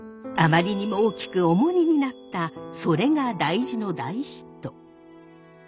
あまりにも大きく重荷になった「それが大事」の大ヒット。